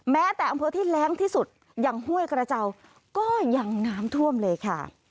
แม้แต่อำเภอที่แรงที่สุดอย่างห้วยกระเจ้าก็ยังน้ำท่วมเลยค่ะ